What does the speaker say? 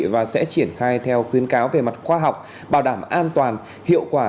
và sẽ triển khai theo khuyến cáo về mặt khoa học bảo đảm an toàn hiệu quả